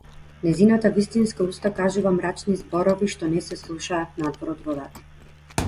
Нејзината вистинска уста кажува мрачни зборови што не се слушаат надвор од водата.